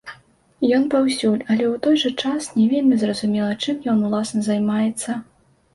Ён паўсюль, але ў той жа час не вельмі зразумела, чым ён, уласна, займаецца.